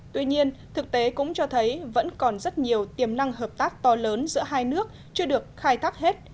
tuy nhiên thực tế cũng cho thấy vẫn còn rất nhiều tiềm năng hợp tác to lớn giữa hai nước chưa được khai thác hết